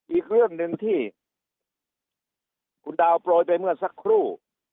อีกเรื่องหนึ่งที่คุณดาวโปรยไปเมื่อสักครู่